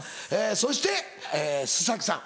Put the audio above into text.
そして須さん。